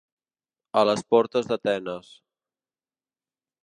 A les portes d'Atenes.